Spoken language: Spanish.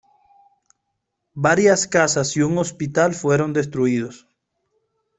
Varias casas y un hospital fueron destruidos.